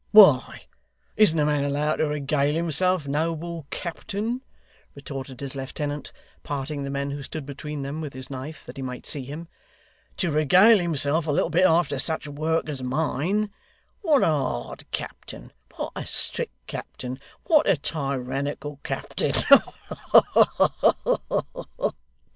'Why, isn't a man allowed to regale himself, noble captain,' retorted his lieutenant, parting the men who stood between them, with his knife, that he might see him, 'to regale himself a little bit after such work as mine? What a hard captain! What a strict captain! What a tyrannical captain! Ha ha ha!